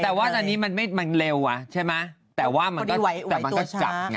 แต่ว่าตอนนี้มันไม่มันเร็วอ่ะใช่ไหมแต่ว่ามันก็แต่มันก็จับไง